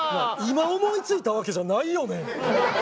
今思いついたわけじゃないよね？